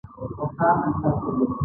استعلام د ادارې رسمي سند ګڼل کیږي.